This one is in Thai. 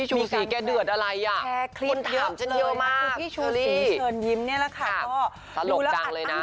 คนขวามนอกอย่านำเข้า